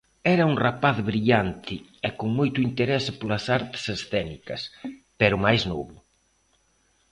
Era un rapaz brillante e con moito interese polas artes escénicas, pero máis novo.